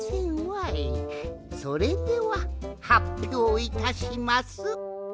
それでははっぴょういたします。